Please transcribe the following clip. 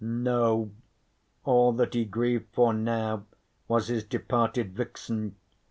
No, all that he grieved for now was his departed vixen.